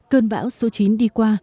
cơn bão số chín đi qua